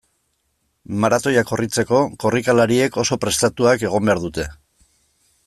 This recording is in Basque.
Maratoia korritzeko, korrikalariek oso prestatuak egon behar dute.